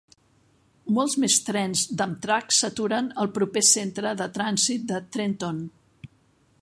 Molts més trens d'Amtrak s'aturen al proper Centre de Trànsit de Trenton.